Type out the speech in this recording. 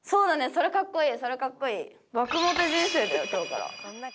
それかっこいい！